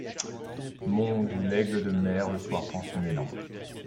Monts d’où l’aigle de mer le soir prend son élan